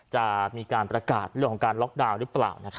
จะมีการประกาศเรื่องของการล็อกดาวน์หรือเปล่า